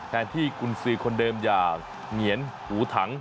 แทนที่กุญสือคนเดิมอย่าเหงียนหูถัง